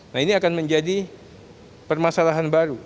nah ini akan menjadi permasalahan baru